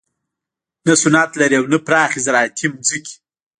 نه صنعت لري او نه پراخې زراعتي ځمکې.